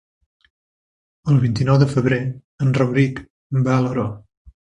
El vint-i-nou de febrer en Rauric va a Alaró.